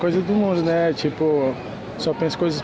sehingga kita bisa berhasil